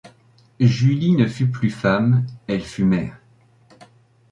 Julie ne fut plus femme, elle fut mère.